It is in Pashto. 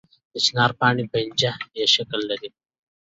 د چنار پاڼې پنجه یي شکل لري